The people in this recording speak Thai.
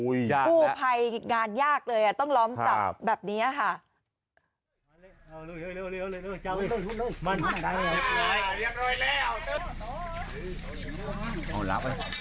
กู้ภัยงานยากเลยต้องล้อมจับแบบนี้ค่ะ